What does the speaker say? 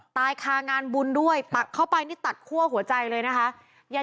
ตายคางานบุญด้วยปักเข้าไปนี่ตัดคั่วหัวใจเลยนะคะ